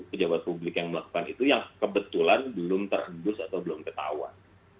pejabat publik yang melakukan itu yang kebetulan belum terhembus atau belum ketahuan